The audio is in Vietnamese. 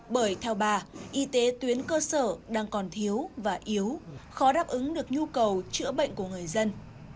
bởi theo bà y tế tuyến cơ sở đang còn thiếu và yếu khó đáp ứng được nhu cầu chữa bệnh của người dân